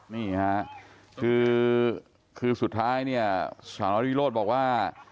นี่ค่ะคือสุดท้ายเนี่ยสารวิโรธบอกว่า